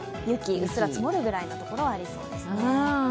うっすら積もるぐらいのところはありそうですね。